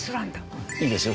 いいですよ。